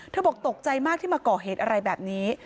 บอกตกใจมากที่มาก่อเหตุอะไรแบบนี้